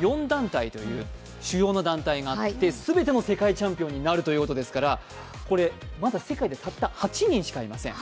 ４団体という主要な団体があって全ての世界チャンピオンになるということですからこれ、まだ世界でたった８人しかいません。